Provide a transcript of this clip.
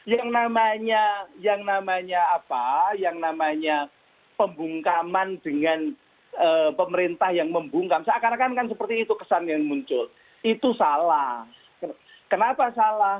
yang namanya pembungkaman dengan pemerintah yang membungkam seakan akan kan seperti itu kesan yang muncul itu salah kenapa salah